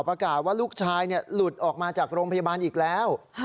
ประกาศว่าลูกชายหลุดออกมาจากโรงพยาบาลอีกแล้ว